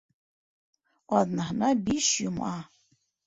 Аҙнаһына биш йома.